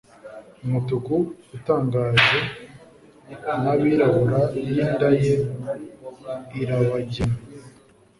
umutuku utangaje nabirabura y'inda ye irabagirana,